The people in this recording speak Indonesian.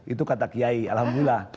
itu kata kiai alhamdulillah